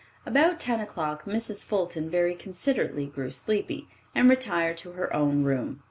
About ten o'clock Mrs. Fulton very considerately grew sleepy, and retired to her own room.